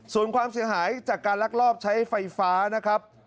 ส่วนความเสียหายจากการลักลอบใช้ไฟฟ้านะครับ